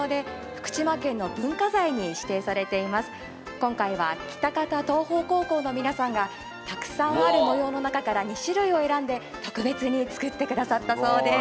今回は喜多方桐桜高校の皆さんがたくさんある模様の中から２種類を選んで特別に作ってくださったそうです。